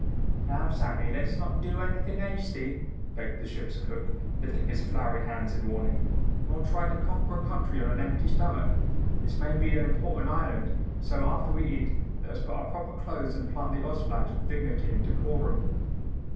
"Now, Sammy, let's not do anything hasty," begged the ship's cook lifting his floury hands in warning, "nor try to conquer a country on an empty stomach. This may be an important island, so after we eat, let us put on our proper clothes and plant the Oz flags with dignity and decorum."